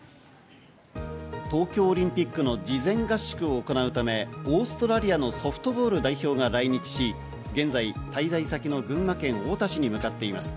東京オリンピックの事前合宿を行うため、オーストラリアのソフトボール代表が来日し、現在、滞在先の群馬県太田市に向かっています。